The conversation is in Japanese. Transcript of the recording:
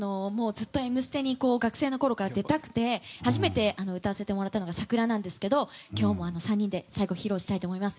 ずっと「Ｍステ」に学生のころから出たくて初めて歌わせてもらったのが「ＳＡＫＵＲＡ」なんですけど今日も３人で最後、披露したいと思います。